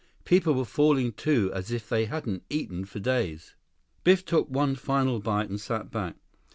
People were falling to as if they hadn't eaten for days. Biff took one final bite and sat back.